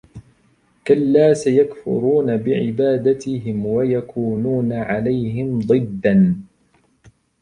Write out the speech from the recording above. كَلَّا سَيَكْفُرُونَ بِعِبَادَتِهِمْ وَيَكُونُونَ عَلَيْهِمْ ضِدًّا